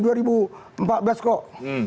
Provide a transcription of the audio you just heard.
andi arief juga baru masuk